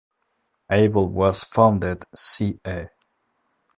Able was founded ca.